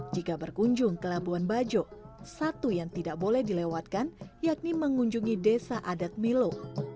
jika berkunjung ke labuan bajo satu yang tidak boleh dilewatkan yakni mengunjungi desa adat milo